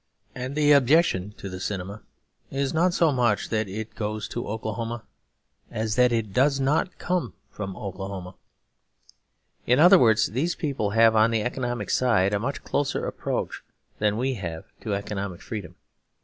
And the objection to the cinema is not so much that it goes to Oklahoma as that it does not come from Oklahoma. In other words, these people have on the economic side a much closer approach than we have to economic freedom.